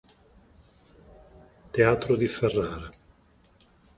Teatro di Ferrara